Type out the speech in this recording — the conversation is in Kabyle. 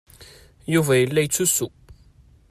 Yuba yella yettusu.